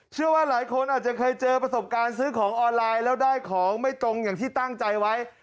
เชื่อว่าหลายคนอาจจะเคยเจอประสบการณ์ซื้อของออนไลน์แล้วได้ของไม่ตรงอย่างที่ตั้งใจไว้